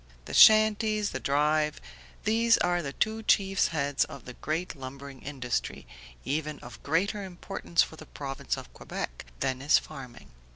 The shanties, the drive, these are the two chief heads of the great lumbering industry, even of greater importance for the Province of Quebec than is farming.